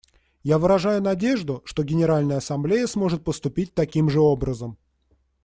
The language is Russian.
Я выражаю надежду, что Генеральная Ассамблея сможет поступить таким же образом.